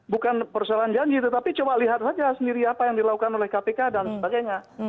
bukan persoalan janji tetapi coba lihat saja sendiri apa yang dilakukan oleh kpk dan sebagainya